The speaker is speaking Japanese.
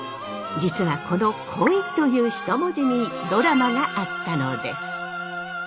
実はこの「恋」という一文字にドラマがあったのです。